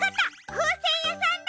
ふうせんやさんだ！